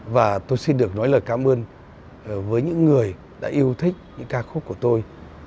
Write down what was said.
và tôi xin được nói lời cảm ơn với những người đã yêu thích những ca khúc của tôi